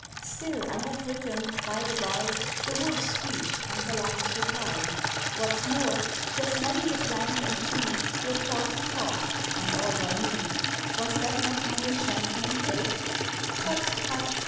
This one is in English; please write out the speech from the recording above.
Still, I have written, by the bye, The wolf's speech and the lamb's reply. What's more, there's many a plant and tree Were taught to talk, and all by me. Was that not my enchantment, eh? "Tut! Tut!"